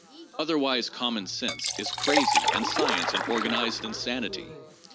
Otherwise common sense is crazy and science an organized insanity.